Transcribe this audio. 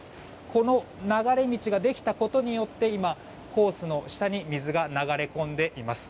この流れ道ができたことによって今、ホースの下に水が流れ込んでいます。